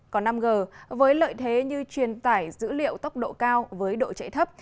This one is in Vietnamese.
còn năm g với lợi thế như truyền tải dữ liệu tốc độ cao với độ chạy thấp